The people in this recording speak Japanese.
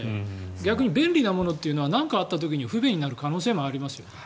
逆に便利なものというのは何かあった時に不便になる可能性もあります。